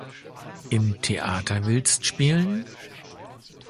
Im Theater willst spielen?